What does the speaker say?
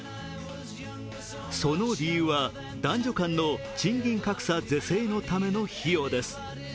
その理由は、男女間の賃金格差是正のための費用です。